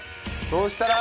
そうしたら。